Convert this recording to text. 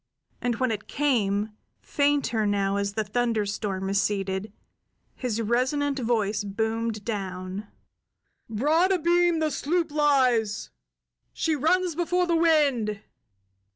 And when it came, fainter now as the thunderstorm receded, his resonant voice boomed down: "Broad abeam the sloop lies! She runs before the wind!"